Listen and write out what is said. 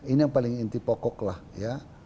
ini yang paling inti pokok lah ya